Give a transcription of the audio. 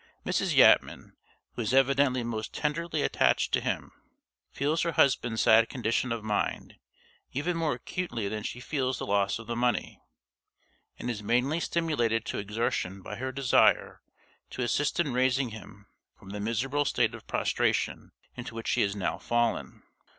Mrs. Yatman, who is evidently most tenderly attached to him, feels her husband's sad condition of mind even more acutely than she feels the loss of the money, and is mainly stimulated to exertion by her desire to assist in raising him from the miserable state of prostration into which he has now fallen.